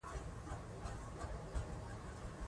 خو نوي شیان هم زده کړئ.